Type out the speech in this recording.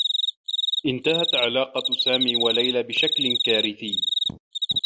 انتهت علاقة سامي و ليلى بشكل كارثيّ.